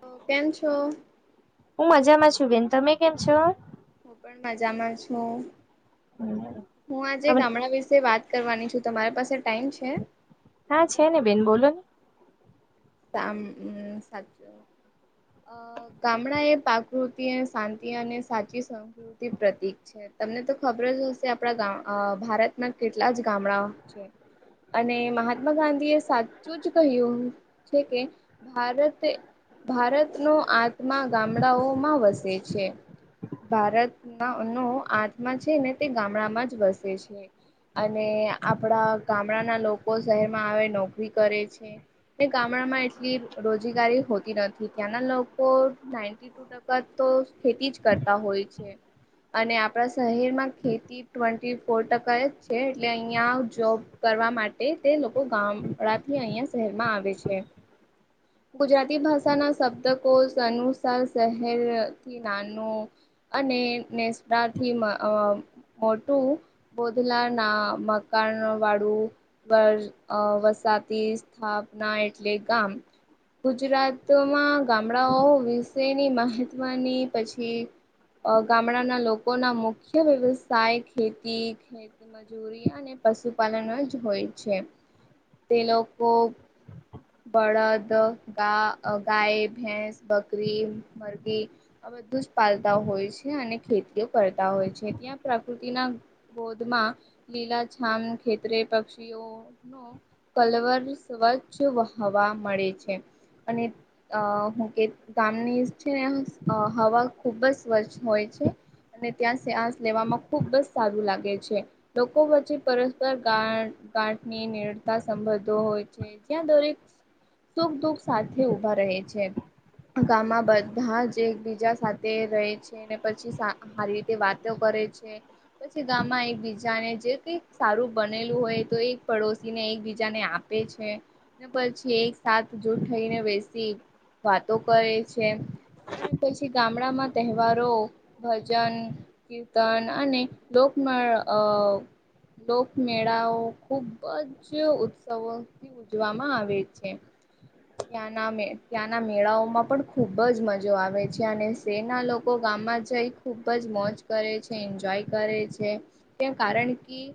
હો કેમ છો. હું મજામાં છું, બેન તમે કેમ છો. હું પણ મજામાં છું, [inaudible] હું આજે તમે ગામડા વિશે વાત કરવાની તમારી પાસે ટાઈમ છે. હા છે, ને બેન બોલોને, કામ સાચુ [unintelligible] અ ગામડાએ પ્રાકૃતિ અને શાંતિ અને સાચી સંસ્કૃતિ પ્રતિક છે. તમનેતો ખબર જ હશે આપડામ અ ભારતમાં કેટલા જ ગામડા છે. અને મહાત્મા ગાંધી એ સાચું જ કહ્યું, છે, કે ભારતે ભારતનો આત્મા ગામડાઓમાં વસે છે. ભારતનો આત્મા છે, ને તે ગામડામાં જ વસે છે. અને આપણા ગામડાંના લોકો શહેરમાં આવે નોકરી કરે છે. ગામડામાં એટલી રોજગારી હોતી નથી ત્યાંના લોકો નાઈ ટકાતો ખેતી જ કરતા હોય છે, અને આપણા શહેરમાં ખેતી ટ્વેન્ટી ફોર ટકા જ છે, એટલે અહિયાં જોબ કરવા માટે તે લોકો ગામડા થી અહીં શહેરમાં આવે છે. ગુજરાતી ભાષાના શબ્દ કોશ અનુસાર શહેરથી નાનું છે. અને નેસડાથી મા મોટું બોધલાના મકાન વાળું વર વસાતી સ્થાપના એટલે ગામ ગુજરાતમાં ગામડાઓ વિશેની મહત્વની પછી અ ગામડાના લોકો ના મુખ્ય વ્યવસાય ખેતી-ખેત મજૂરી અને પશુપાલન જ હોય છે. તે લોકો બળદ ગા ગાય ભેંસ બકરી મરઘી આ બધું જ પાલતા હોય છે, ને ખેતીઓ કરતા હોય છે, ત્યાં પ્રકૃતિના ગોધમાં લીલાછામ ખેતરે પક્ષીઓ કલવર સ્વચ્છ વ-હવા મળે છે અને અ હું કે ગામની છે ને હવા ખુબ જ સ્વચ્છ હોય છે. અને ત્યાં સ્યાસ લેવામાં ખુબ જ સારું લાગે છે. લોકો વચ્ચે પરસ્પર ગા-ગાંઠની નિરતા સંબંધો હોય છે. ત્યાં દરેક સુખ દુઃખ સાથે ઉભા રહે છે. ગામમાં બધા જ એકબીજા સાથે રહે છે. ને પછી સારી રીતે વાતો કરે છે. પછી ગામમાં એકબીજાને જે કઈ સારું બનેલું હોય તો એક પડોશી ને એકબીજાને આપ આપે છે. ને પછી એક સાથ જૂટ થઈને બેસી વાતો કરે છે. અને પછી ગામડામાં તહેવારો, ભજન કીર્તન અને લોકમળ અ લોકમેળાઓ ખુબ જ ઉત્સવોથી ઊજવામાં આવે છે, ત્યાંના મે - ત્યાંના મેળાઓમાં પણ ખૂબ જ મજો આવે છે, અને શહેરના લોકો ગામમાં જઈ ખુબ જ મોજ કરે છે એન્જોય કરે છે, ત્યા કારણ કી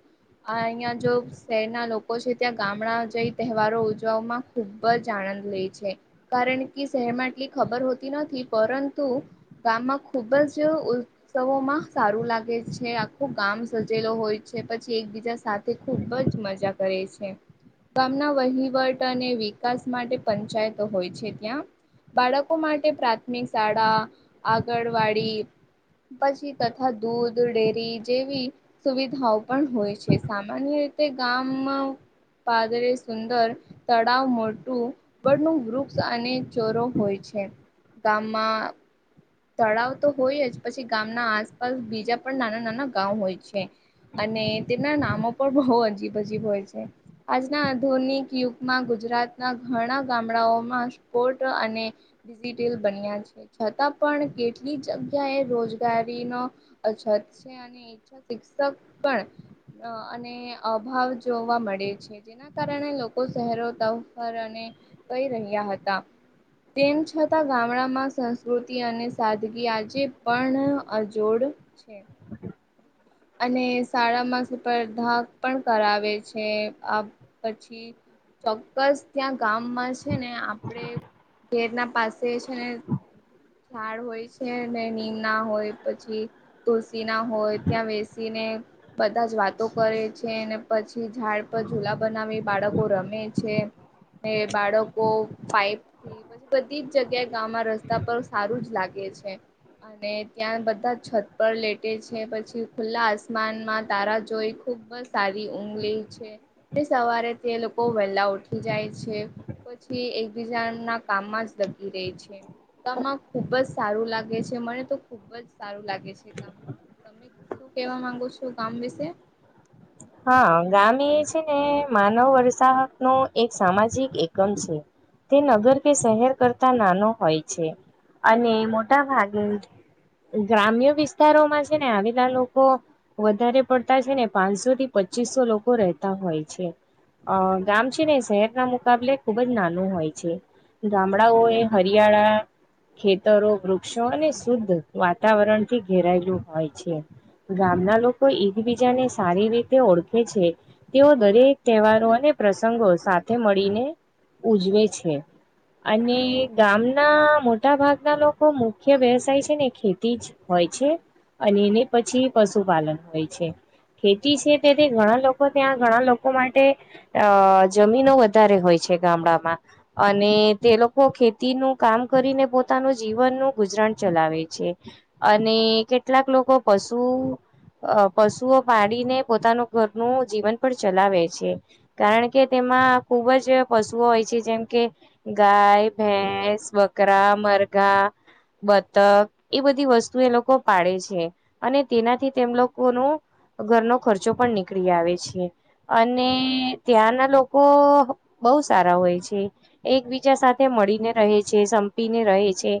આ અહિયાં જો શહેરના લોકો છે ત્યાં ગામડા જઈ તહેવારો ઉજવવામાં ખૂબ જ આનંદ લે છે. કારણ કે શહેરમાં એટલી ખબર હોતી નથી પરંતુ, ગામમાં ખુબ જ ઉલ્ ઉત્સવોમાં સારું લાગે છે આખું ગામ સજેલ હોય છે પછી એકબીજા સાથ થે ખુબ જ મજા કરે છે. ગામના વહીવટ અને વિકાસ માટે પંચાયતો હોય છે ત્યાં બાળકો માટે પ્રાથમિક શાળા આગણવાડી પછી તથા દૂધ ડેરી જેવી, સુવિધાઓ પણ હોય છે, સામાન્ય રીતે ગામમાં ઘરે સુંદર તળાવ મોટું બળ નું વૃક્ષ અને ચોરો હોય છે. ગામમાં તળાવ તો હોય જ પછી ગામના આસપાસ બીજા પણ નાના નાના ગામં હોય છે. અને તેમના નામો પણ બહુ અજીબ અજીબ હોય છે. આજના આધુનિક યુગમાં ગુજરાતના ઘણા ગામડાઓમાં સ્ફોટ અને ડિજિટલ બન્યા છે છતાં પણ કેટલી જગ્યા એ રોજગારી નો અછત છે. ઈચ્છા શિક્ષક પણ અને અભાવ જોવા મળે છે. જેના કારણે લોકો શહેરો તફર અને વહી રહ્યા હતા. તેમ છતાં ગામડામાં સંસ્કૃત તી અને સાદગી આજે પણ અજોડ છે. અને શાળામાં સ્પર્ધા પણ કરાવે છે. આ પછી ચોક્કસ ત્યાં ગામમાં છે ને આપડે ઘેરના પાસે છે ને થાળ હોય છે. ને નીમ ના હોય પછી તુલસી ના હોય ત્યાં બેસીને બધા જ વાતો કરે છે. અને પછી ઝાડ પર ઝુલા બનાવી બાળકો રમે છે. બાળકો પાઈપ થી પછી બધી જ જગ્યાએ ગામમાં રસ્તા પર સારુ જ લાગે છે. અને ત્યાં બધા છત પર લેટે છે. પછી ખુલ્લા આસમાનમાં તારા જોઈ. ખુબ જ સારી ઊઘ લે છે. ને સવારે તે લોકો વહેલા ઉઠી જાય છે. પછી એકબીજા ના કામમાં જ લકી રહી છે. તાનો ખુબ જ સારું છે, મને તો ખુબ જ લાગે છે ગામમાં. તમે શું કેવા માંગો છો ગામ વિશે? હા ગામે છે ને માનવ વરસાહતનો એક સામાજિક એકમ છે. તે નગર કે શહેર કરતા નાનો હોય છે. અને મોટા ભાગે ગ્રામ્ય વિસ્તારોમાં છે ને આવેલા લોકો વધારે પડતા છે ને પાંચસો થી પચીસો લોકો રહેતા હોય છે. અ ગામ છે ને શહેર ના મુકાબલે ખુબ જ નાનું હોય છે. ગામડાઓ એ હરિયાળા ખેતરો, વૃક્ષો અને શુદ્ધ વાતાવરણથી ઘેરાયેલું હોય છે. ગામ ના લોકો એકબીજાને સારી રીતે ઓળખે છે. તેઓ દરેક તહેવારો અને પ્રસંગો સાથે મળીને ઉજવે છે. અને ગામના મોટ્ મોટા ભાગના લોકો મુખ્ય વ્યવસાય છે ને ખેતી જ હોય છે. અને એને પછી પશુપાલન હોય છે. ખેતી છે તેથી ઘણા લોકો ત્યાં ઘણા લોકો માટે અ જમીનો વધારે છે ગામડામાં. અને તે લોકો ખેતીનું કામ કરીને પોતાનું જીવનનું ગુજરાણ ચલાવે છે. અને કેટલાક લોકો પશુ અ પશુઓ પાડીને પોતાનું ઘરનું જીવન પણ ચલાવે છે. કારણ તેમાં ખુબ જ પશુઓ હોય છે, જેમ કે ગાય, ભેંસ, બકરા, મરધા, બતક એ બધી વસ્તુ એ લોકો પાડે છે. અને તેનાથી તેમ લોકોનું ઘરનો ખર્ચો પણ નીકળી આવે છે. અને ત્યાંના લોકો બહુ સારા હોય છે. એકબીજા સાથે મળીને રહે છે સંપીને રહે છે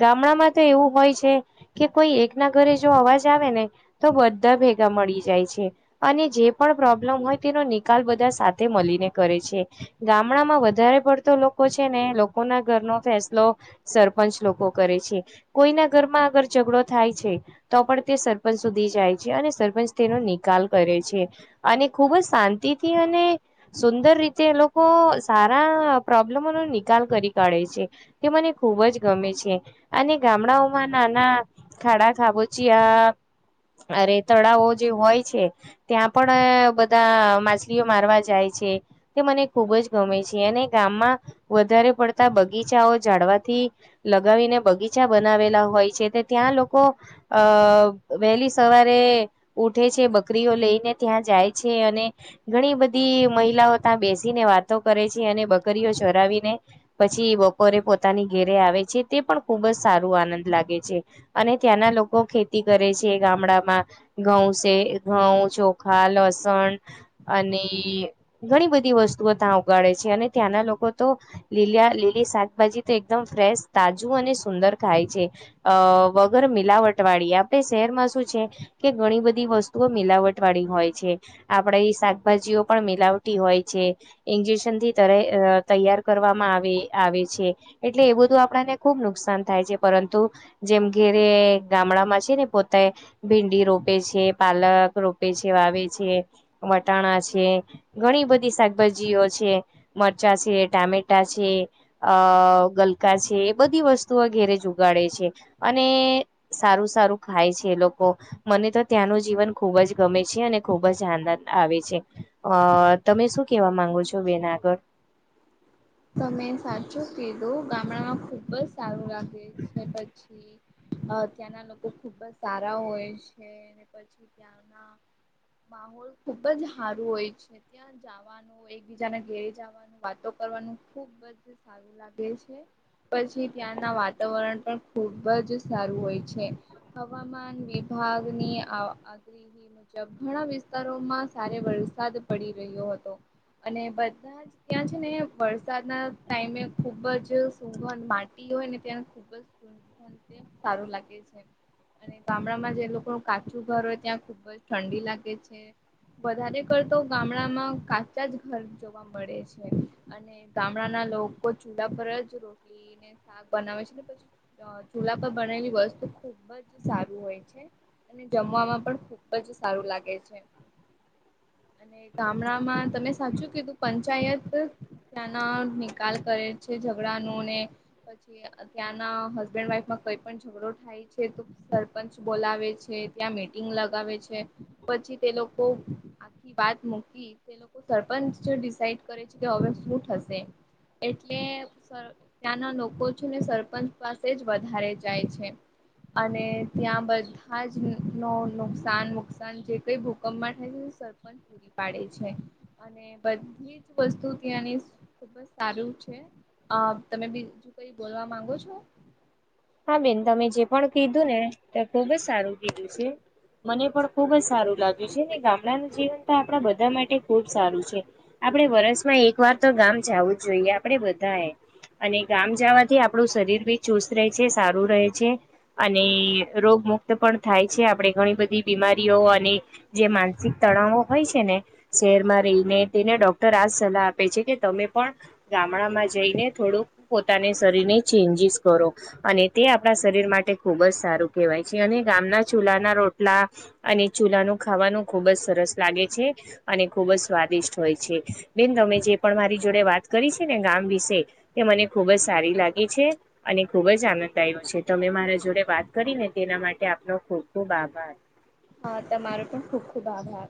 ગામડા માં તો એવું હોય છે કે કોઈ એક ના ઘરે જો અવાજ આવે ને તો બધા ભેગા મળી જાય જાય છે અને જે પણ પ્રોબ્લેમ હોય તેનો નિકાલ બધા સાથે મળીને કરે છે ગામડા માં વધારે પડતો લોકો છે ને લોકો ના ઘરનો ફેસલો સરપંચ લોકો કરે છે કોઈના ઘરમાં આગર ઝઘડો થાય છે તો પણ તે સરપંચ સુધી જાય છે અને સરપંચ તેનો નિકાલ કરે છે અને ખૂબ જ શાંતિથી અને સુંદર રીતે એ લોકો સારા પ્રોબ્લેમોનો નિકાલ કરી કાઢે છે તે મને ખૂબ જ ગમે છે અને ગામડાઓમાં નાના ખાડા ખાબોચિયા અરે તળાવો જે હોય છે ત્યાં પણ બધા માછલીઓ મારવા જાય છે તે મને ખુબ જ ગમે છે અને ગામમાં વધારે પડતા બગીચાઓ ઝાડવાથી લગાવીને બગીચા બનાવેલા હોય છે તે ત્યાં લોકો અ વહેલી સવારે ઉઠે છે બકરીઓ લઈને ત્યાં જાય છે અને ઘણી બધી મહિલાઓ ત્યાં બેસીને વાતો કરે છે અને બકરીઓ ચરાવીને પછી બપોરે પોતાની ઘેરે આવે છે તે પણ ખુબ જ સારું આનંદ લાગે છે. અને ત્યાંના લોકો ખેતી કરે છે ગામડામાં ઘઉં છે ઘઉં ચોખા લસણ અને ઘણી બધી વસ્તુઓ ત્યાં ઉગાડે છે અને ત્યાંના લોકો તો લીલીયા લીલી શાકભાજી તો એકદમ ફ્રેશ તાજું અને સુંદર ખાય છે. અ વગર મિલાવટ વાળી આપડે શહેરમાં શું છે કે ઘણી બધી વસ્તુઓ મિલાવટ વાળી હોય છે. આપણે એ શાકભાજીઓ મિલાવતી હોય છે. ઇન્જેક્શન થી તર અ તૈયાર કરવામાં આવે આવે છે. એટલે એ બધું આપડાને ખુબ નુકસાન થાય છે. પરંતુ જેમ ઘેરે ગામડા માં છે ને પોતા ભીં ડી રોપે છે પાલક રોપે છે વાવે છે વટાણા છે ઘણી બધી શાકભાજીઓ મરચા છે ટામેટા છે અ ગલકા છે એ બધી વસ્તુઓ ઘેરે જ ઉઘાડે છે. અને સારું સારું ખાય છે એ લોકો મને તો ત્યાંનું જીવન ખૂબ જ ગમે છે અને ખૂબ જ આનંદ આવે છે. અ તમે શું કેવા માંગો છો બેન આગળ તમે સાચું કીધું ગામડામાં ખુબ જ સારું લાગે છે પછી ત્યાંના લોકો ખુબ જ સારા હોય છે અને પછી માહોલ ખુબ જ હારું હોય છે ત્યાં જાવાનું એકબીજાને ઘેરે જાવાનું વાતો કરવાનું ખુબ જ સારું લાગે છે. પછી ત્યાંના વાતાવરણ પણ ખુબ જ સારું હોય છે. હવામાન વિભાગની આ મુજબ ઘણા વિસ્તારોમાં સારે વરસાદ પડી રહ્યો હતો અને બધા ત્યાં છે ને વર્ષા સાદના ટાઈમે ખુબ જ સુગંધ માટી હોય ને ત્યાં ખૂબ જ સુ સારું લાગે છે. અને ગામડામાં જે લોકો નુ કાચું ઘર હોય ત્યાં ખુબ જ ઠંડી લાગે છે. વધારે કરતો ગામડામાં કાચા જ ઘર જોવા મળે છે અને ગામડાના લોકો ચૂલા પર જ રોટલી શાક બનાવે છેને પછી ચૂલા પર બનાવેલી વસ્તુ ખુબ જ સારું હોય છે. અને જમવામાં પણ ખુબ જ સારું લાગે છે. ને ગામડામાં તમે સાચું કીધું પંચાયત ત્યાંના નિકાલ કરે છે ઝઘડા નુ ને પછી ત્યાં ના હસબેન્ડ વાઈફ કઈ પણ ઝઘડો થાય તો સરપંચ બોલાવે છે ત્યાં મીટિંગ લગાવે છે. પછી તે લોકો આખી વાત મૂકી સરપંચ ડિસાઇડ કરે કે હવે શું થશે એટલે ત્યાંના લોકો છે ને સરપંચ પાસે જ વધારે જાય છે. અને ત્યાં બધ હાજ નો નુકસાન નુકસાન કઈ ભૂકંપમાં થાય સરપંચ પૂરી પાડે છે અને બધી જ વસ્તુ ત્યાંની બસ સારું છે તમે બીજું કઈ બોલવા માંગો છો? હા બેન તમે જે પણ કીધું ને તે ખુબ જ સારું કીધું છે. મને પણ ખુબ જ સારું લાગ્યું છે ગામડાનું જીવન તો આપણા બધા માટે ખુબ સારું છે. આપડે વરષમાં એક વાર તો ગામ જાવું જ જોઈએ આપડે બધાએ અને ગામ જવાથી આપણું શરીર બી ચુસ્ત રહે છે સારું રહે છે. અને રોગ મુક્ત પણ થાય છે આપણે ઘણી બધી બીમારીઓ અને જે માનસિક તણાવો હોય છે ને શહેરમાં રહીને તેને ડોક્ટર આજ સલાહ આપે છે કે તમે પણ ગામડા માં જઈને થોડુંક પોતાની શરીર ને ચેન્જીસ કરો અને તે આપણા શરીર માટે ખુબ જ સારું કહેવાય છે અને ગામના ચૂલાના રોટલા અને ચૂલાનું ખાવાનું ખુબ જ સરસ લાગે છે અને ખુબ જ સ્વાદિષ્ટ હોય છે. બેન તમે જે પણ મારી જોડે વાત કરી છે ને ગામ વિશે એ મને ખુબ જ સારી લાગી છે ખુબ જ આનંદાય છે. તમે મારા મને જોડે પણ. વાત કરીને તેના માટે આપનો ખુબ ખુબ આભાર હા તમારો પણ ખુબ ખુબ આભાર